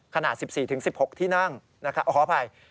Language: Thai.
ขนาด๑๔๑๖ที่นั่งนะครับขออภัย